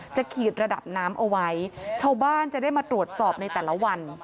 ขีดระดับน้ำเอาไว้ชาวบ้านจะได้มาตรวจสอบในแต่ละวัน